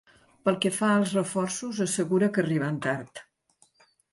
Pel que fa als reforços, assegura que arriben tard.